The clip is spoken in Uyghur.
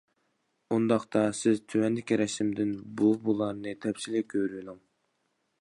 ئۇنداقتا، سىز تۆۋەندىكى رەسىمدىن بۇ بۇلارنى تەپسىلىي كۆرۈۋېلىڭ.